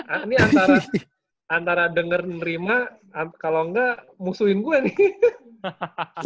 ah ini antara denger nerima kalau enggak musuhin gue nih